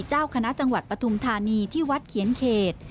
เจ้าคณะจังหวัดปฐุมธานีที่วัดเขียนเขต